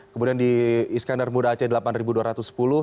kemudian di iskandar muda aceh rp delapan dua ratus sepuluh